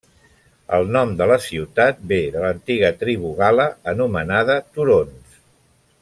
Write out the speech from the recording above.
El nom de la ciutat ve de l'antiga tribu gal·la anomenada turons.